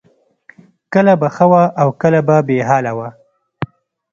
کله به ښه وه او کله به بې حاله وه